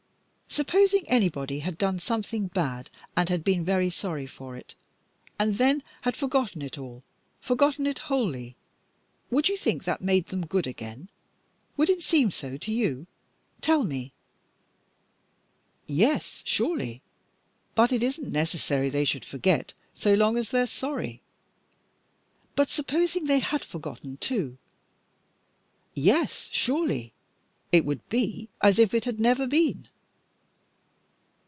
Supposing anybody had done something bad and had been very sorry for it, and then had forgotten it all, forgotten it wholly, would you think that made them good again? Would it seem so to you? Tell me!" "Yes, surely; but it isn't necessary they should forget, so long as they're sorry." "But supposing they had forgotten too?" "Yes, surely, it would be as if it had never been."